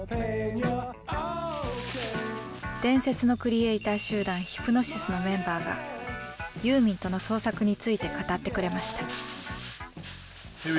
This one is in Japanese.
伝説のクリエーター集団ヒプノシスのメンバーがユーミンとの創作について語ってくれました。